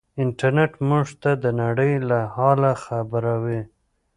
انټرنيټ موږ ته د نړۍ له حاله خبروي.